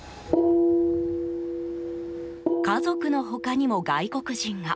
家族の他にも外国人が。